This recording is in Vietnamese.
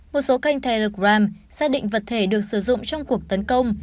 một số kênh telegram xác định vật thể được sử dụng trong cuộc tấn công